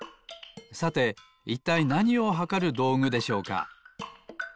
さていったいなにをはかるどうぐでしょうか？